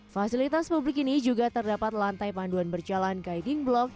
fasilitas publik ini juga terdapat lantai panduan berjalan guiding block